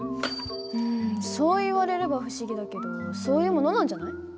うんそう言われれば不思議だけどそういうものなんじゃない？